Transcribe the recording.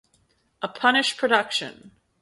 A Punish Production.